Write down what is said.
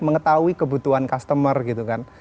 mengetahui kebutuhan customer gitu kan